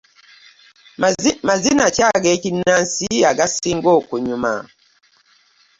Mazina ki eg'ekinansi agasinga okunyuma?